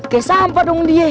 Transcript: kayak sampah dong dia